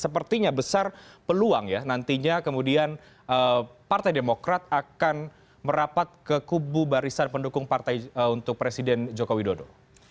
sepertinya besar peluang ya nantinya kemudian partai demokrat akan merapat ke kubu barisan pendukung partai untuk presiden joko widodo